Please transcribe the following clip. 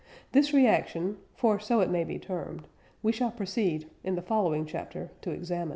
This reaction (for so it may be termed) we shall proceed, in the following chapter, to examine.